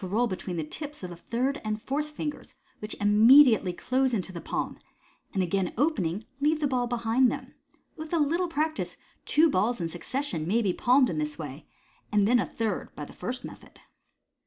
roll between the tips of the third and fourth fingers, which imme diately close into the palm, and, again opening, leave the ball behind them. With a little practice, two balls in succession may be palmed in this way, and then a third by the first method.